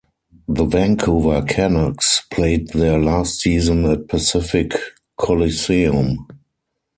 The Vancouver Canucks played their last season at Pacific Coliseum.